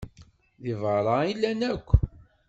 Deg beṛṛa i llan akk.